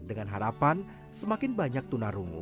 dengan harapan semakin banyak tunarungu